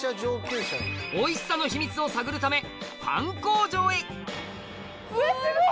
おいしさの秘密を探るためうわすごい！